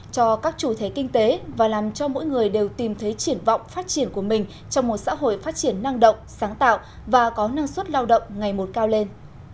cho các chủ thế kinh tế và làm cho mỗi người đều tìm thấy triển vọng phát triển của mình trong một xã hội phát triển năng động sáng tạo và có năng suất lao động ngày một cao lên